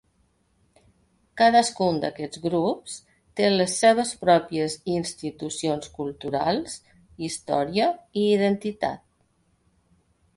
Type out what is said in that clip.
Cadascun d'aquests grups té les seves pròpies institucions culturals, història i identitat.